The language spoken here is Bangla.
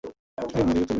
চিঠিখানা আদিত্যের লেখা।